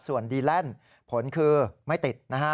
ส่วนดีแลนด์ผลคือไม่ติดนะฮะ